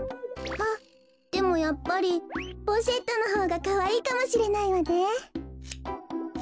あっでもやっぱりポシェットのほうがかわいいかもしれないわね。